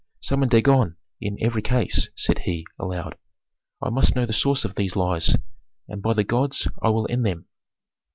"Summon Dagon in every case," said he, aloud. "I must know the source of these lies, and by the gods, I will end them."